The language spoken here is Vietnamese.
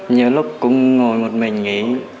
nhiều lúc cũng ngồi một mình nghỉ